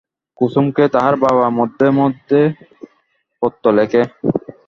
কুসুমকে তাহার বাবা মধ্যে মধ্যে পত্র লেখে।